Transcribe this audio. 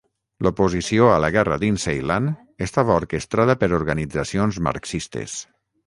L'oposició a la guerra dins Ceilan estava orquestrada per organitzacions marxistes.